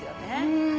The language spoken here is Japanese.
うん。